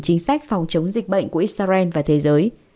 chính sách phòng chống dịch bệnh của israel và thế giới